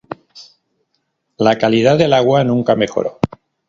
La calidad del agua nunca mejoró.